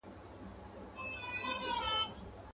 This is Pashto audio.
په وینا سو په کټ کټ سو په خندا سو.